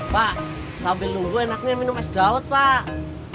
pak sambil nunggu enaknya minum es dawet pak